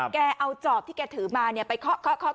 แกเอาจอบที่แกถือมาไปเคาะ